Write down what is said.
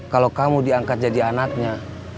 kalau kamu diangkat jadi anaknya